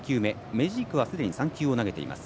メジークはすでに３球を投げています。